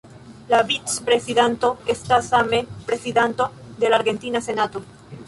La vicprezidento estas same prezidanto de la argentina senato.